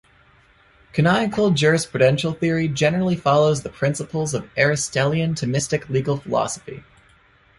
Canonical jurisprudential theory generally follows the principles of Aristotelian-Thomistic legal philosophy.